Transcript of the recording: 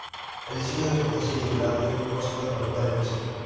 El diseño de potencia y el de audio no se pueden conectar entre sí.